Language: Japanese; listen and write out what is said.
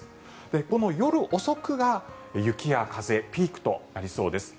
この夜遅くが雪や風、ピークとなりそうです。